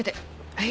はい。